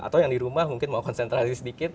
atau yang di rumah mungkin mau konsentrasi sedikit